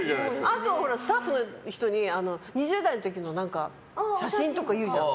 あと、スタッフの人に２０代の時の写真とか言われるじゃん。